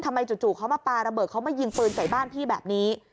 จู่เขามาปลาระเบิดเขามายิงปืนใส่บ้านพี่แบบนี้